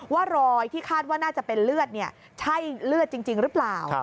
รอยที่คาดว่าน่าจะเป็นเลือดใช่เลือดจริงหรือเปล่า